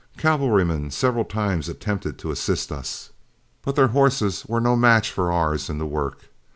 Cavalrymen several times attempted to assist us, but their horses were no match for ours in the work.